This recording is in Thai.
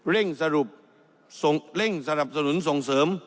๕เร่งสนับสนุนส่งเสริม